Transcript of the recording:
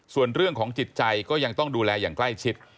ส่วนเรื่องของจิตใจก็ยังต้องดูแลอย่างใกล้ชิด